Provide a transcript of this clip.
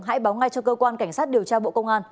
hãy báo ngay cho cơ quan cảnh sát điều tra bộ công an